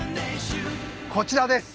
こちらです。